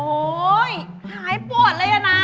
โอ๊ยหายปวดเลยอะน่ะ